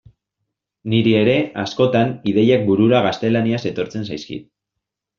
Niri ere, askotan, ideiak burura gaztelaniaz etortzen zaizkit.